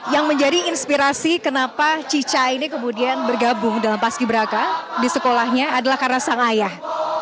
yang menjadi inspirasi kenapa cica ini kemudian bergabung dalam paski beraka di sekolahnya adalah karena sang ayah